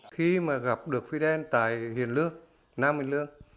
khi mà gặp được fidel tại hiền lương nam bình lương